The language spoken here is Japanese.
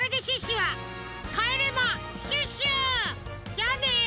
じゃあね！